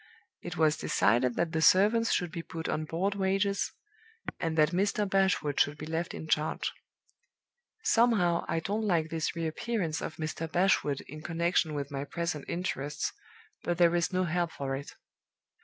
It was decided that the servants should be put on board wages, and that Mr. Bashwood should be left in charge. (Somehow, I don't like this re appearance of Mr. Bashwood in connection with my present interests, but there is no help for it.)